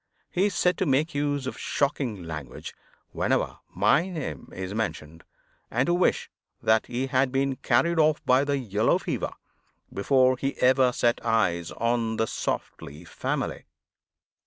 He is said to make use of shocking language whenever my name is mentioned, and to wish that he had been carried off by the yellow fever before he ever set eyes on the Softly family.